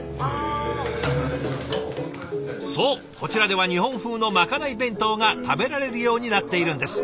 そうこちらでは日本風のまかない弁当が食べられるようになっているんです。